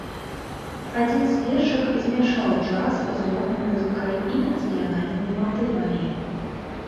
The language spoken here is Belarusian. Адзін з першых змяшаў джаз з рок-музыкай і нацыянальнымі матывамі.